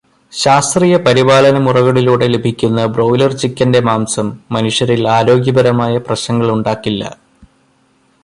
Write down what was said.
ശാസ്ത്രീയപരിപാലനമുറകളിലൂടെ ലഭിക്കുന്ന ബ്രോയ്ലർ ചിക്കന്റെ മാംസം മനുഷ്യരിൽ ആരോഗ്യപരമായ പ്രശ്നങ്ങൾ ഉണ്ടാക്കില്ല.